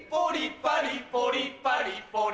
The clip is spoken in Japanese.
パリポリパリポリ